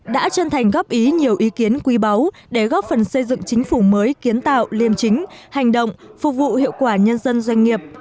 đã chân thành góp ý nhiều ý kiến quý báu để góp phần xây dựng chính phủ mới kiến tạo liêm chính hành động phục vụ hiệu quả nhân dân doanh nghiệp